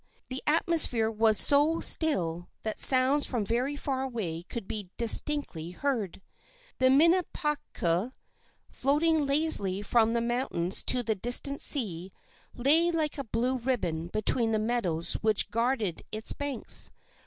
The atmosphere was so still that sounds from very far away could be distinctly heard. The Minnepachague, floating lazily from the mountains to the distant sea, lay like a blue ribbon between the meadows which guarded its banks.